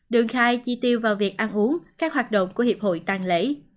đường khai chi tiêu vào việc ăn uống các hoạt động của hiệp hội tăng lễ